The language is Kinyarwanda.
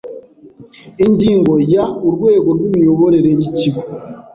Ingingo ya Urwego rw imiyoborere y ikigo